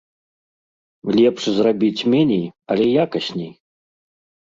Лепш зрабіць меней, але якасней.